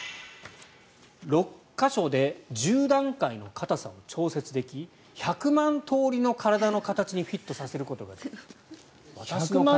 ６か所で１０段階の硬さを調節でき１００万通りの体の形にフィットさせることができると。